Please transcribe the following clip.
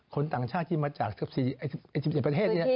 คนต่างชาติที่มาจาก๑๔ประเทศนี่นะ